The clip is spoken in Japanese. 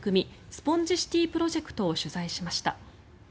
スポンジシティプロジェクトを取材しました。